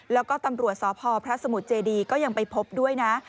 แล้วก็ตำรวจสพพระสมุทรเจดีก็ยังไปพบด้วยนะ